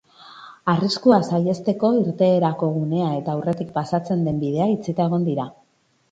Arriskua saihesteko, irteerako gunea eta aurretik pasatzen den bidea itxita egon dira.